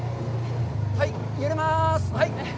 はい、揺れます。